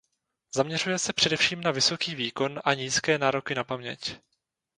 Zaměřuje se především na vysoký výkon a nízké nároky na paměť.